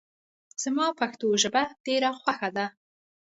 زما پښتو ژبه ډېره خوښه ده